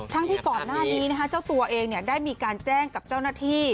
ที่ก่อนหน้านี้เจ้าตัวเองได้มีการแจ้งกับเจ้าหน้าที่